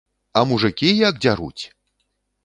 А мужыкі як дзяруць!